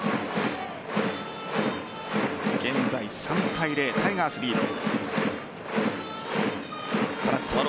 現在３対０、タイガースリード。